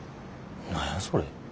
何やそれ。